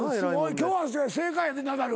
今日は正解やねナダル。